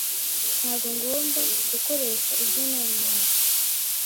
Ntabwo ngomba gukoresha ibyo nonaha